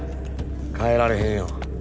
変えられへんよ。